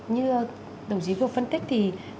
như đồng chí vừa phân tích thì